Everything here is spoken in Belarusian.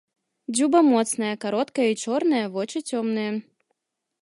Дзюба моцная, кароткая і чорная, вочы цёмныя.